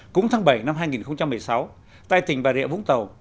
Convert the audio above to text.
cũng tháng bảy năm hai nghìn một mươi sáu tại tỉnh bà rịa vũng tàu